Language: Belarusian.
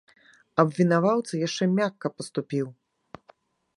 Абвінаваўца яшчэ мякка паступіў.